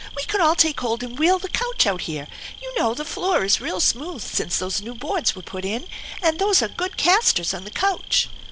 "We could all take hold and wheel the couch out here; you know the floor is real smooth since those new boards were put in, and there are good castors on the couch."